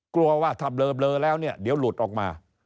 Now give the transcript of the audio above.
กลัวว่าถ้าเบลอแล้วเนี่ยเดี๋ยวหลุดออกมา